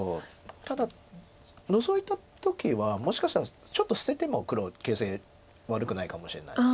ただノゾいた時はもしかしたらちょっと捨てても黒形勢悪くないかもしれない。